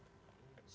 pada pak presiden